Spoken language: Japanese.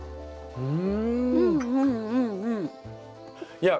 うん。